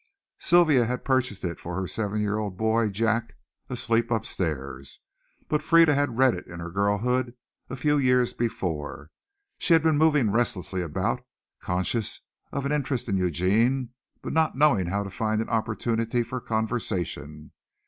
Sylvia had purchased it for her seven year old boy Jack, asleep upstairs, but Frieda had read it in her girlhood a few years before. She had been moving restlessly about, conscious of an interest in Eugene but not knowing how to find an opportunity for conversation.